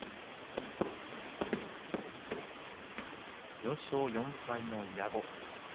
４勝４敗の矢後。